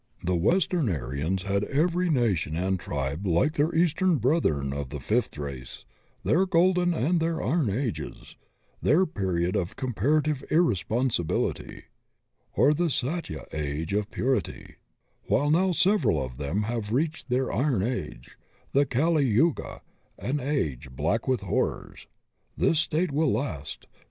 The western Aryans had every nation and tribe like their eastern brethren of the fifth race, their Golden and their Iron ages, their period of com parative irresponsibility, or the Satya age of purity, while now several of them have reached their Iron age, the Kali Yuga, an age black with horrors. This state will last